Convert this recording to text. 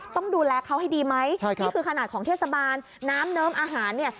ต้องดูแลเขาให้ดีไหมนี่คือขนาดของเทศบาลน้ำเนิ้มอาหารเนี่ย